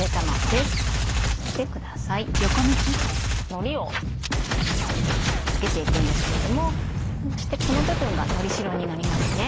のりを付けて行くんですけれどもこうしてこの部分がのりしろになりますね。